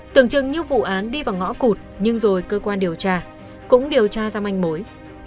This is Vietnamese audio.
tưởng chừng như vụ án đi vào ngõ cụt nhưng rồi cơ quan điều tra cũng điều tra ra manh mối